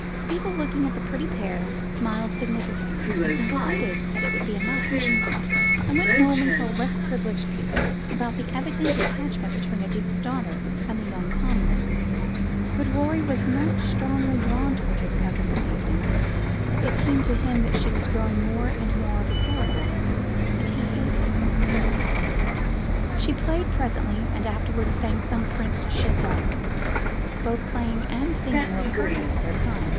People, looking at the pretty pair, smiled significantly, and concluded that it would be a match, and went home and told less privileged people about the evident attachment between the Duke's daughter and the young commoner. But Rorie was not strongly drawn towards his cousin this evening. It seemed to him that she was growing more and more of a paragon; and he hated paragons. She played presently, and afterwards sang some French chansons. Both playing and singing were perfect of their kind.